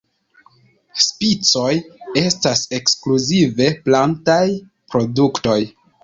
Spicoj estas ekskluzive plantaj produktoj.